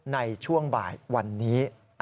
ในช่วงบ่ายวันนี้